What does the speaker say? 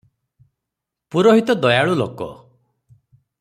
ପୁରୋହିତ ଦୟାଳୁ ଲୋକ ।